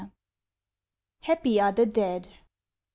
HAPPY ARE THE DEAD.